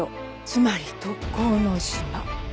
つまり特攻の島。